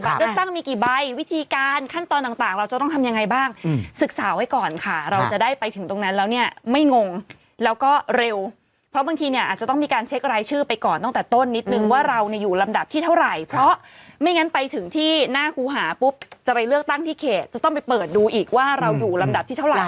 เลือกตั้งมีกี่ใบวิธีการขั้นตอนต่างเราจะต้องทำยังไงบ้างศึกษาไว้ก่อนค่ะเราจะได้ไปถึงตรงนั้นแล้วเนี่ยไม่งงแล้วก็เร็วเพราะบางทีเนี่ยอาจจะต้องมีการเช็ครายชื่อไปก่อนตั้งแต่ต้นนิดนึงว่าเราเนี่ยอยู่ลำดับที่เท่าไหร่เพราะไม่งั้นไปถึงที่หน้าครูหาปุ๊บจะไปเลือกตั้งที่เขตจะต้องไปเปิดดูอีกว่าเราอยู่ลำดับที่เท่าไห